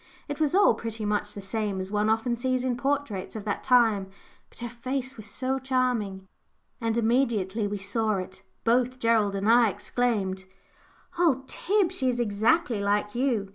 It was all pretty much the same as one often sees in portraits of that time, but her face was so charming! And immediately we saw it, both Gerald and I exclaimed "Oh, Tib, she is exactly like you!"